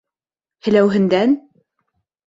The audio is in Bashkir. — Һеләүһендән?